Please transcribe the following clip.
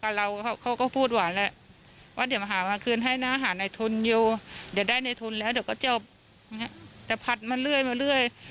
นานหรือยังที่ผัดมาครับ